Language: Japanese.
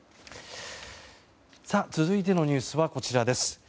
さあ、続いてのニュースはこちらです。